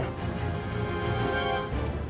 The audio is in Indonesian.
kamu pasti malu kan